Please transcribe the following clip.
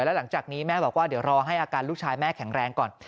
แล้วหลังจากนี้แม่บอกว่าเดี๋ยวรอให้อาการลูกชายแม่แข็งแรงก่อน